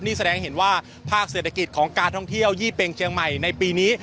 นี่แสดงเห็นว่าภาคเศรษฐกิจของการท่องเที่ยวยี่เป็งเชียงใหม่ในปีนี้